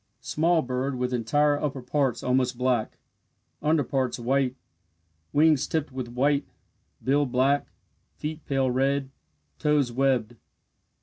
Small bird with entire upper parts almost black under parts white wings tipped with white, bill black feet pale red toes webbed.